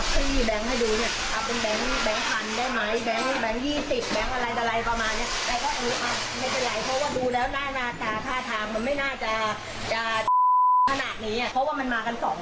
เพราะว่ามันมากัน๒คน